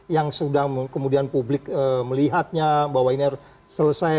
yang sudah kemudian publik melihatnya bahwa ini harus selesai